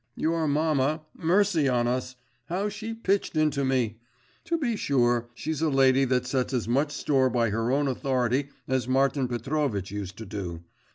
Your mamma mercy on us! how she pitched into me!… To be sure: she's a lady that sets as much store by her own authority as Martin Petrovitch used to do.